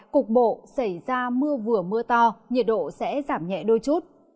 cục bộ xảy ra mưa vừa mưa to nhiệt độ sẽ giảm nhẹ đôi chút